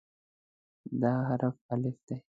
دا حرف "الف" دی.